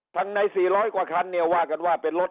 ทั้งใน๔๐๐กว่าคันเนี่ยว่ากันว่าเป็นรถ